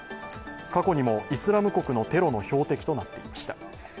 過去にもイスラム国のテロの標的となっていました。